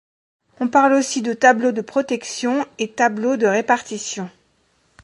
On parle aussi de tableau de protection et tableau de répartition.